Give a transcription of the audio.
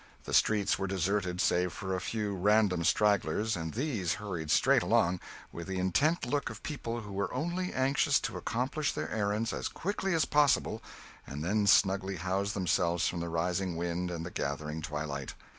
The streets were deserted, save for a few random stragglers, and these hurried straight along, with the intent look of people who were only anxious to accomplish their errands as quickly as possible, and then snugly house themselves from the rising wind and the gathering twilight.